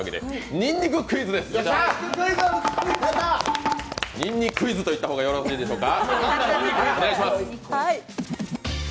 にんにクイズと言った方がよろしいでしょうか。